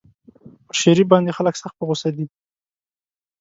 پر شريف باندې خلک سخت په غوسه دي.